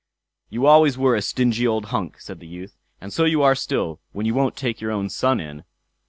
"You always were a stingy old hunks", said the youth, "and so you are still, when you won't take your own son in."